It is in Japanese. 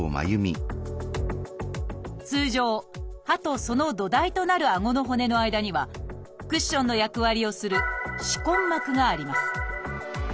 通常歯とその土台となるあごの骨の間にはクッションの役割をする「歯根膜」があります。